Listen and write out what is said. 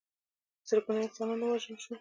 زرګونه انسانان ووژل شول.